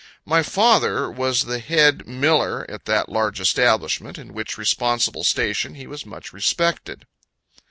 My father was the head miller in that large establishment, in which responsible station he was much respected.